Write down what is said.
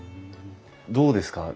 どうですか？